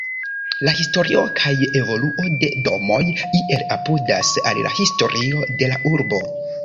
La historio kaj evoluo de domoj iel apudas al la historio de la urbo.